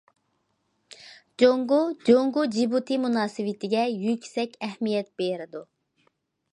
جۇڭگو جۇڭگو- جىبۇتى مۇناسىۋىتىگە يۈكسەك ئەھمىيەت بېرىدۇ.